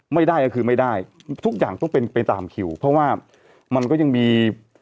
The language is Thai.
ไม่ได้ก็คือไม่ได้ทุกอย่างต้องเป็นไปตามคิวเพราะว่ามันก็ยังมี